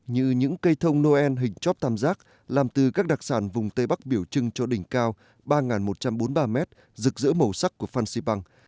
như những cây thông noel hình chóp tam giác làm từ các đặc sản vùng tây bắc biểu trưng cho đỉnh cao ba một trăm bốn mươi ba mét rực rỡ màu sắc của phan xipang